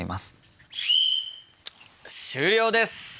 終了です！